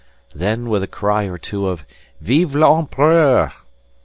Then, with a cry or two of "_Vive l'Empereur!